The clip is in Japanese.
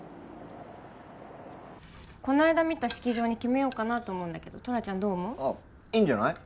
この間見た式場に決めようかなと思うんだけどトラちゃんどう思う？ああいいんじゃない？